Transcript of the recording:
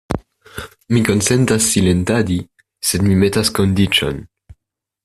Mi konsentas silentadi; sed mi metas kondiĉon.